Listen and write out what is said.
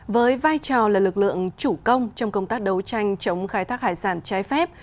với vai trò là lực lượng chủ công trong công tác đấu tranh chống khai thác hải sản trái phép